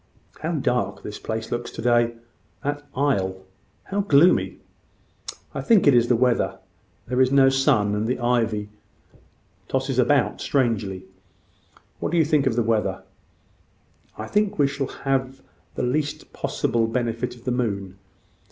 How dark this place looks to day! that aisle how gloomy!" "I think it is the weather. There is no sun; and the ivy tosses about strangely. What do you think of the weather?" "I think we shall have the least possible benefit of the moon.